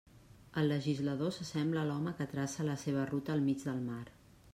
El legislador s'assembla a l'home que traça la seva ruta al mig del mar.